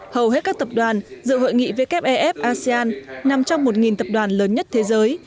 hầu hết các tập đoàn dự hội nghị wef asean nằm trong một tập đoàn lớn nhất thế giới